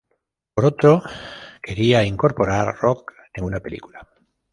Por otro, quería incorporar rock en una película.